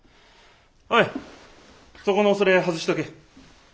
おいそこのそれ外しとけ。